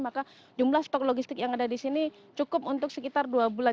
maka jumlah stok logistik yang ada di sini cukup untuk sekitar dua bulan